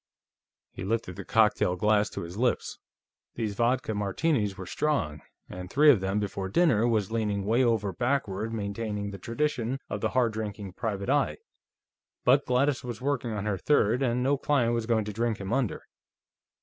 He lifted the cocktail glass to his lips. These vodka Martinis were strong, and three of them before dinner was leaning way over backward maintaining the tradition of the hard drinking private eye, but Gladys was working on her third, and no client was going to drink him under.